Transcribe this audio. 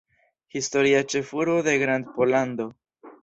Historia ĉefurbo de Grandpollando.